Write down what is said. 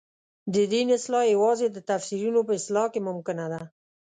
د دین اصلاح یوازې د تفسیرونو په اصلاح کې ممکنه ده.